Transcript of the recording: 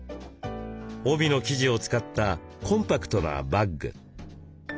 帯の生地を使ったコンパクトなバッグ。